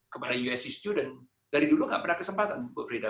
kepada usctudent dari dulu nggak pernah kesempatan bu frida